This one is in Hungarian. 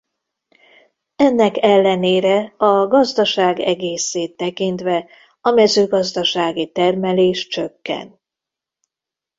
Ennek ellenére a gazdaság egészét tekintve a mezőgazdasági termelés csökken.